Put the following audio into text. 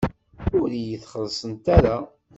Ur iyi-d-xellṣent ara.